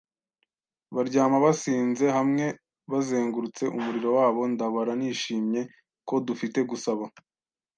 baryama basinze hamwe bazengurutse umuriro wabo, ndabara nishimye ko dufite gusa